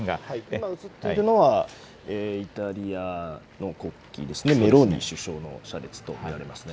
今映っているのは、イタリアの国旗ですね、メローニ首相の車列と見られますね。